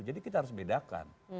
jadi kita harus bedakan